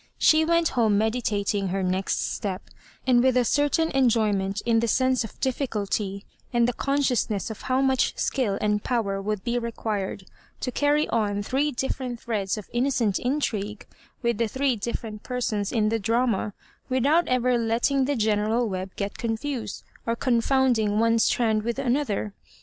She went home meditating her next step^ and with a certam enjoyment in the sense of difficulty and the consciousness of how much skill and power would be required to carry on three diffe^ ent threads of innocent hitrigue with the three different persons in the drama, without ever let ting the general web get confused, or confound ing one strand with another.